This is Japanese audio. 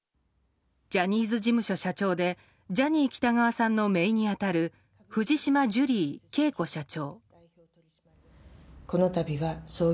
ジャニーズ事務所社長でジャニー喜多川さんのめいに当たる藤島ジュリー恵子社長。